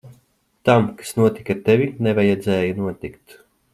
Tam, kas notika ar tevi, nevajadzēja notikt.